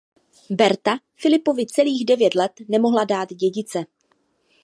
Berta Filipovi celých devět let nemohla dát dědice.